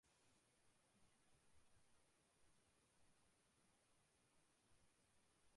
Ingria remained sparsely populated.